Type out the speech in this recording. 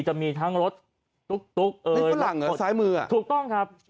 จะมีทั้งรถตุ๊กตุ๊กเออนี่หลังหรือซ้ายมือถูกต้องครับ